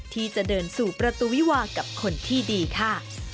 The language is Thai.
ที่จะเดินสู่ประตูวิวากับคนที่ดีค่ะ